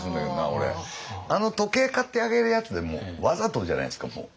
あの時計買ってあげるやつでもわざとじゃないですかもう。